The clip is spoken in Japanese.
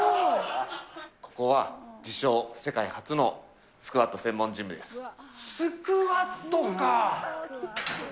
ここは自称、世界初のスクワット専門ジムです。